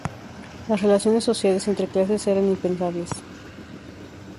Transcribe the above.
Las relaciones sociales entre clases eran impensables.